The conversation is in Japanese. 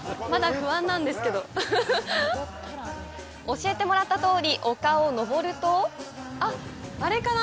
教えてもらったとおり丘を登るとあっ、あれかな？